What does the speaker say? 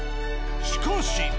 しかし。